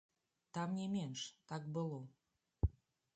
Там не менш, так было.